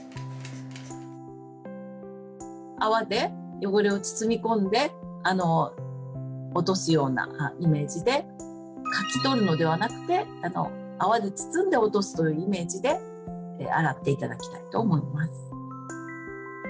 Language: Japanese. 泡で汚れを包み込んで落とすようなイメージでかき取るのではなくて泡で包んで落とすというイメージで洗って頂きたいと思います。